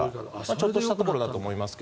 ちょっとしたところだと思いますが。